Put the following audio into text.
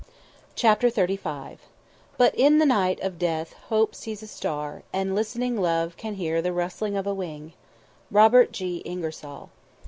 CHAPTER XXXV "But in the night of Death Hope sees a star and listening Love can hear the rustling of a wing." ROBERT G. INGERSOLL.